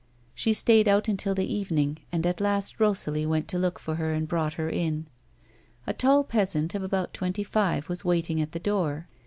She stayed out until the evening, and at last Kosalie went to look for her and brought her in. A tall peasant of about twenty five was waiting at the door.